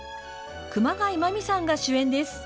熊谷真実さんが主演です。